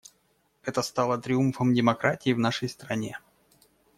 Это стало триумфом демократии в нашей стране.